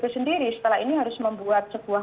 sendiri setelah ini harus membuat sebuah